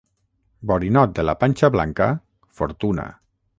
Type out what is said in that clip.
Borinot de la panxa blanca, fortuna.